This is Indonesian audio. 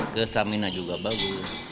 kesamina juga bagus